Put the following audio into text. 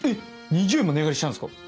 ２０円も値上がりしたんすか？